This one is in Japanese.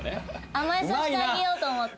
甘えさせてあげようと思って。